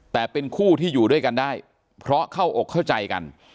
แต่เป็นคู่ที่อยู่ด้วยกันได้เพราะเข้าอกเข้าใจกัน